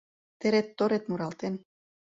Терет-торет муралтен